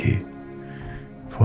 dia tidak bisa menerima keadaan